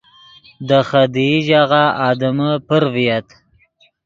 دے خدیئی ژاغہ آدمے پر ڤییت